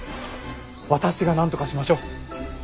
私がなんとかしましょう。